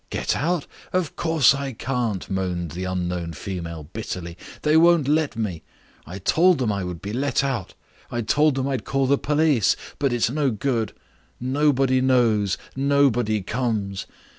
"Get out? Of course I can't," moaned the unknown female bitterly. "They won't let me. I told them I would be let out. I told them I'd call the police. But it's no good. Nobody knows, nobody comes.